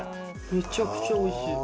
めちゃくちゃおいしい。